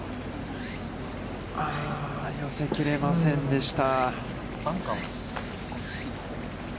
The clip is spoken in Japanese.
寄せきれませんでした。